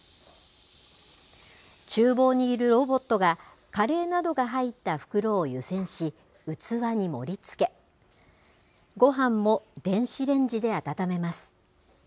ちゅう房にいるロボットがカレーなどが入った袋を湯せんし、器に盛りつけ、ごはんも電子レンジで温めます。